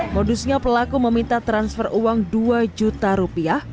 modusnya pelaku meminta transfer uang dua juta rupiah